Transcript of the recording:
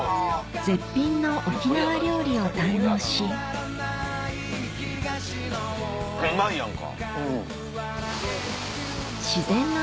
絶品の沖縄料理を堪能しうまいやんか！